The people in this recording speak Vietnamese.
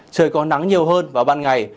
trời có nắng nhiều hơn vào ban ngày